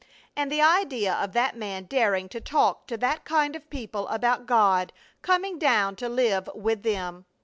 And the idea of that man daring to talk to that kind of people about God coming down to live with them!